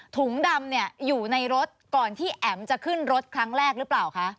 ถุงดำเนี่ยอยู่ในรถก่อนที่แอ๋มจะขึ้นรถครั้งแรกหรือเปล่าคะ